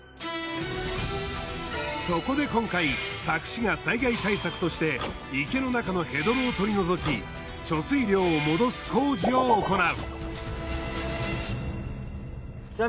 そこで今回佐久市が災害対策として池の中のヘドロを取り除き貯水量を戻す工事を行う。